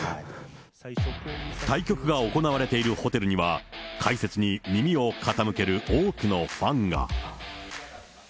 対局が行われているホテルには、解説に耳を傾ける多くのファンが。